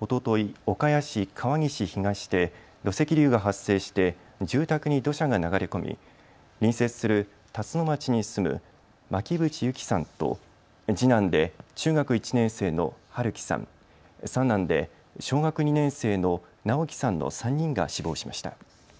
おととい、岡谷市川岸東で土石流が発生して住宅に土砂が流れ込み隣接する辰野町に住む巻渕友希さんと次男で中学１年生の春樹さん、三男で小学２年生の尚煌さんの３人が死亡しました。